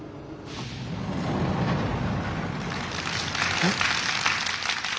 えっ？